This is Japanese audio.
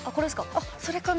あっそれかな？